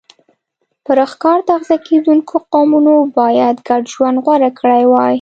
پر ښکار تغذیه کېدونکو قومونو باید ګډ ژوند غوره کړی وای